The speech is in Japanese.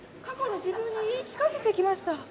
過去の自分に言い聞かせてきました。